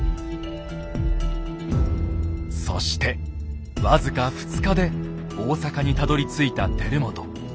そして僅か２日で大坂にたどりついた輝元。